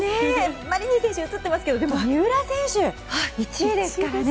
マリニン選手映ってますけど三浦選手、１位ですからね。